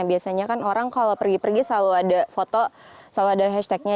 biasanya kan orang kalau pergi pergi selalu ada foto selalu ada hashtagnya